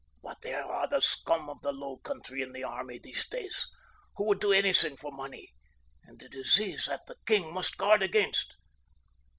"But there are the scum of the low country in the army these days, who would do anything for money, and it is these that the king must guard against.